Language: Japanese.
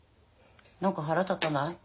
何か腹立たない？